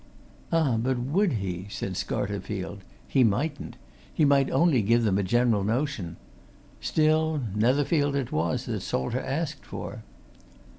"Ah, but would he?" said Scarterfield. "He mightn't. He might only give them a general notion. Still Netherfield it was that Salter asked for."